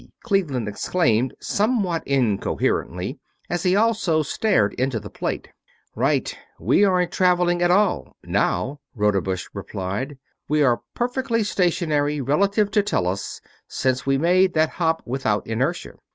Cleveland exclaimed, somewhat incoherently, as he also stared into the plate. "Right. We aren't traveling at all now." Rodebush replied. "We are perfectly stationary relative to Tellus, since we made that hop without inertia.